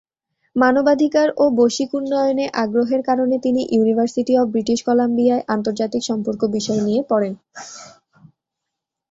মানবাধিকার ও বৈশ্বিক উন্নয়নে আগ্রহের কারণে তিনি ইউনিভার্সিটি অব ব্রিটিশ কলাম্বিয়ায় আন্তর্জাতিক সম্পর্ক বিষয় নিয়ে পড়েন।